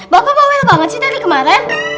bapak bawa yang banget sih dari kemarin